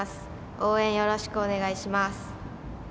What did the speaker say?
応援よろしくお願いします。